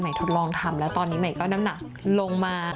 ทดลองทำแล้วตอนนี้ใหม่ก็น้ำหนักลงมา